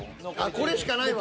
これしかないわ。